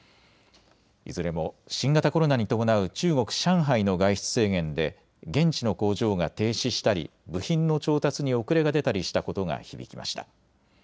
いずれも新型コロナに伴う中国・上海の外出制限で現地の工場が停止したり部品の調達に遅れが出たりしたことが響きました。